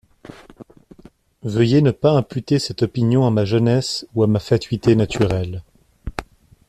Veuillez ne pas imputer cette opinion à ma jeunesse ou à ma fatuité naturelle.